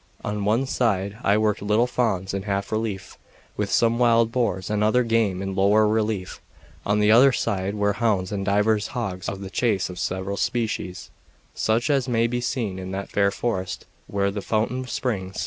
On one side I worked little fawns in half relief, with some wild boars and other game in lower relief; on the other side were hounds and divers dogs of the chase of several species, such as may be seen in that fair forest where the fountain springs.